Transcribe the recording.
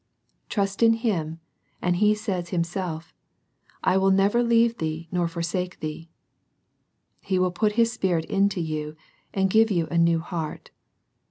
Trust in Him, and He says Himself, " I will never leave thee nor forsake thee." He will put His Spirit into you, and give you a new heart.